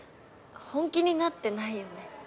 本気になってないよね？